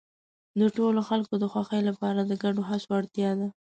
د ټولو خلکو د خوښۍ لپاره د ګډو هڅو اړتیا ده.